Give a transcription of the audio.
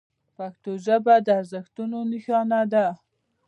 پښتو ژبه د ارزښتونو نښانه ده.